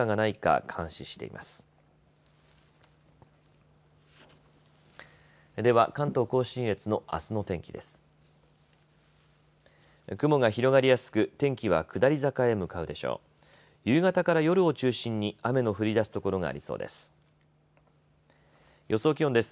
夕方から夜を中心に雨の降りだす所がありそうです。